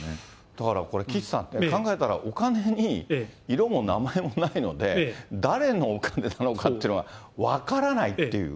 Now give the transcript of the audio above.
だからこれ、岸さん、考えたら、お金に色も名前もないので、誰のお金なのかっていうのは分からないっていう。